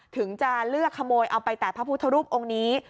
ถึงจะเลือกขโมยเอาไปแต่พระพุทธรูปองค์นี้